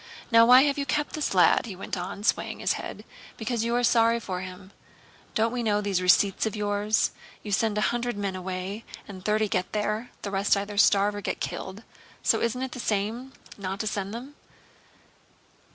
"Now, why have you kept this lad?" he went on, swaying his head. "Because you are sorry for him! Don't we know those 'receipts' of yours? You send a hundred men away, and thirty get there. The rest either starve or get killed. So isn't it all the same not to send them?"